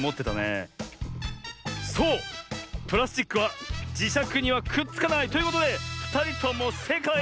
そうプラスチックはじしゃくにはくっつかない。ということでふたりともせいかい！